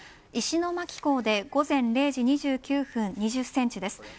石巻港で午前０時２９分２０センチです。